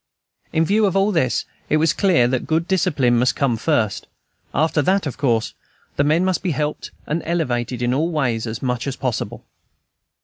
In view of all this, it was clear that good discipline must come first; after that, of course, the men must be helped and elevated in all ways as much as possible.